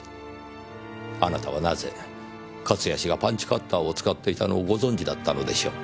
あなたはなぜ勝谷氏がパンチカッターを使っていたのをご存じだったのでしょう？